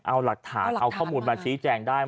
เอาหลักฐานเอาข้อมูลมาชี้แจงได้